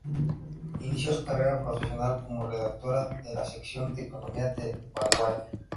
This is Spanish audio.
Inició su carrera profesional como redactora de la sección de economía de La Vanguardia.